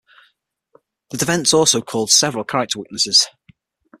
The defense also called several character witnesses.